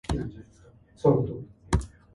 He attended Fort Sill Indian School as a child.